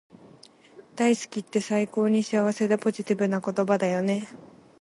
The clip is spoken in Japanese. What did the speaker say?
大好きって最高に幸せでポジティブな言葉だよね